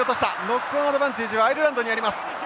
ノックオンアドバンテージはアイルランドにあります。